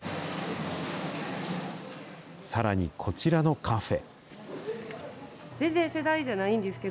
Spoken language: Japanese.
さらに、こちらのカフェ。